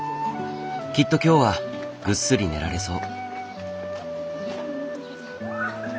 きっと今日はぐっすり寝られそう。